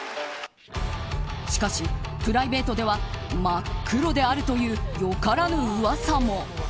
しかし、プライベートは真っ黒であるという良からぬうわさも。